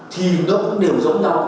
thì nó cũng đều giống nhau